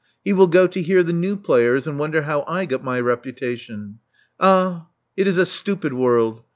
He will go to hear the new players, and wonder how I got my reputation. Ah, it is a stupid world!